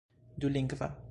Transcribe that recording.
dulingva